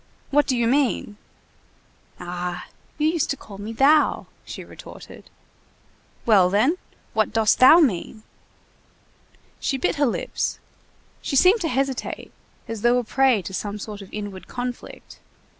"What do you mean?" "Ah! you used to call me thou," she retorted. "Well, then, what dost thou mean?" She bit her lips; she seemed to hesitate, as though a prey to some sort of inward conflict.